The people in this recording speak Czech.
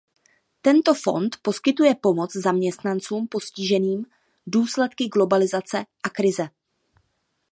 Tento fond poskytuje pomoc zaměstnancům postiženým důsledky globalizace a krize.